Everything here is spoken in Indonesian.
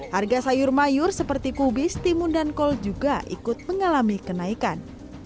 harga sayur mayur seperti kubis timun dan kol juga ikut mengalami kenaikan